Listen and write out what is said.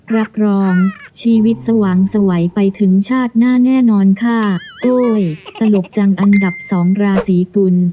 รับรองชีวิตสว่างสวัยไปถึงชาติหน้าแน่นอนค่ะโอ้ยตลกจังอันดับสองราศีกุล